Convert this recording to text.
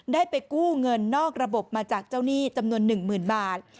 ได้ไปกู้เงินนอกระบบมาจากเจ้าหนี้จำนวน๑๐๐๐บาท